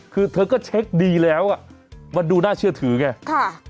คือเธอก็เช็คดีแล้วอ่ะมันดูน่าเชื่อถือไง